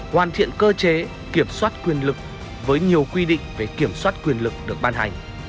hoàn thiện cơ chế kiểm soát quyền lực với nhiều quy định về kiểm soát quyền lực được ban hành